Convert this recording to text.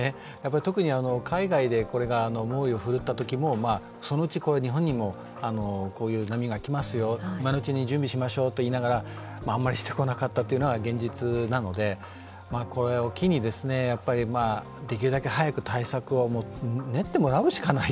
特に海外でこれが猛威を振るったときもそのうち日本にもこういう波が来ますよ、今のうちに準備しましょうといわれながらあまりしてこなかったというのが現実なので、これを機にできるだけ早く対策を練ってもらうしかない。